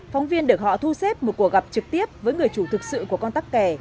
phóng viên được họ thu xếp một cuộc gặp trực tiếp với người chủ thực sự của con tắc kè